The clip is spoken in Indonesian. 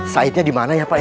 saidnya dimana ya pak